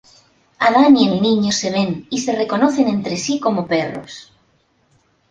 Adán y el niño se ven y se reconocen entre sí como perros.